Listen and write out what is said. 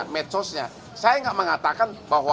medsos nya saya enggak mengatakan bahwa